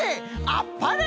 あっぱれ！